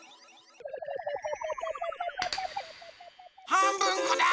はんぶんこだ！